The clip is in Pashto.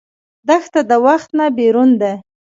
دښته د وخت نه بېرون ده.